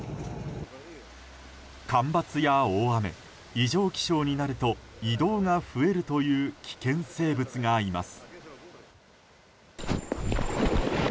干ばつや大雨、異常気象になると移動が増えるという危険生物がいます。